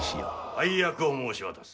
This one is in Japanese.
配役を申し渡す。